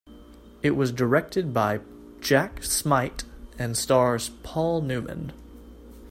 It was directed by Jack Smight and stars Paul Newman.